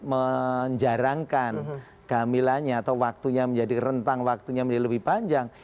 menjarangkan kehamilannya atau waktunya menjadi rentang waktunya menjadi lebih panjang